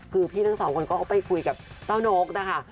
คือพี่ทั้งสองคนก็ไปคุยกับเจ้านกนะคะ